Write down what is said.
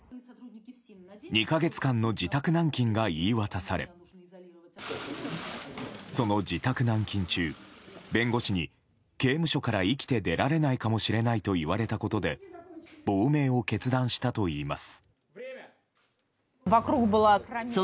２か月間の自宅軟禁が言い渡されその自宅軟禁中、弁護士に刑務所から生きて出られないかもしれないと言われたことで亡命を決断したといいます。